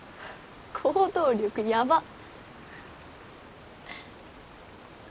行動力やばっ！